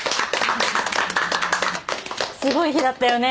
すごい日だったよね